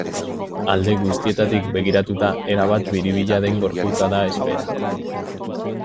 Alde guztietatik begiratuta, erabat biribila den gorputza da esfera.